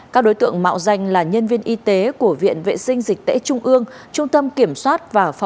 các đối tượng mạo danh là nhân viên y tế của viện vệ sinh dịch tễ trung ương trung tâm kiểm soát và phòng